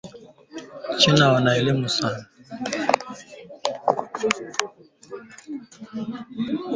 Ba china abaachi fasi mu kongo